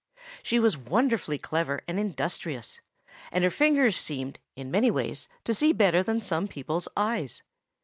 She was wonderfully clever and industrious; and her fingers seemed, in many ways, to see better than some people's eyes.